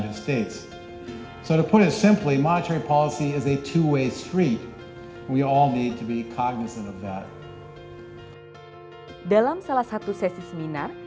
dalam salah satu sesi seminar